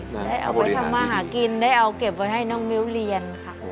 ได้เอาไว้ทำมาหากินได้เอาเก็บไว้ให้น้องมิ้วเรียนค่ะ